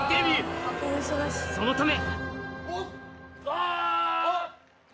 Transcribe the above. そのため